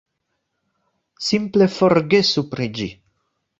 Simple forgesu pri ĝi!